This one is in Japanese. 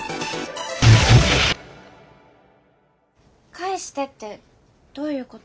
返してってどういうこと？